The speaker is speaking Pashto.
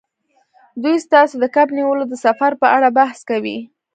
دوی ستاسو د کب نیولو د سفر په اړه بحث کوي